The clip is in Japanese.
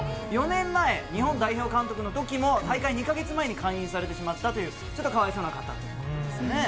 ４年前、日本代表監督の時も大会２か月前に解任されてしまったというちょっとかわいそうな監督なんですね。